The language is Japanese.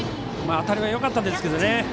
当たりはよかったんですけどね。